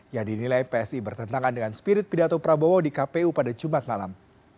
yang dinilai psi bertentangan dengan spirit pidato prabowo di kpu pada jumat malam